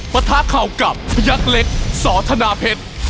ประทะเข่ากับพยักษ์เล็กสอธนาเพชร